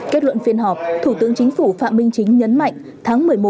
kết luận phiên họp thủ tướng chính phủ phạm minh chính nhấn mạnh tháng một mươi một